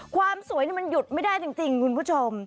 ความสวยนี่มันหยุดไม่ได้จริงคุณผู้ชม